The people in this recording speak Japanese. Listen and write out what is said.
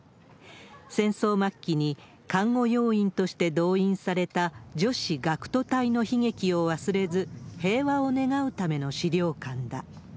戦争末期に看護要員として動員された女子学徒隊の悲劇を忘れず、平和を願うための資料館だ。